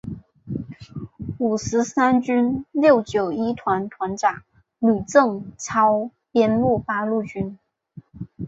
五十三军六九一团团长吕正操编入八路军。